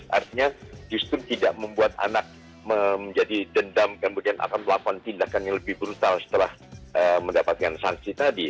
artinya justru tidak membuat anak menjadi dendam kemudian akan melakukan tindakan yang lebih brutal setelah mendapatkan sanksi tadi